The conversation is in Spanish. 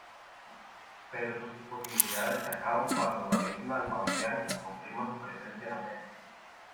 Pero sus posibilidades se acaban cuando David Nalbandian confirma su presencia en la serie.